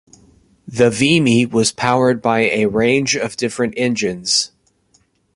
The Vimy was powered by a range of different engines.